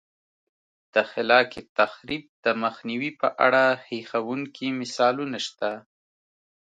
د خلاق تخریب د مخنیوي په اړه هیښوونکي مثالونه شته